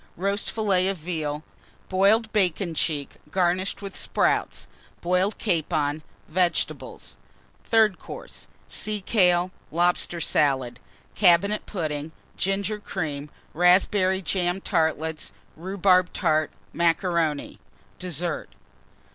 Roast Fillet of Veal. Boiled Bacon cheek garnished with Sprouts. Boiled Capon. Vegetables. THIRD COURSE. Sea kale. Lobster Salad. Cabinet Pudding. Ginger Cream. Raspberry Jam Tartlets. Rhubarb Tart. Macaroni. DESSERT.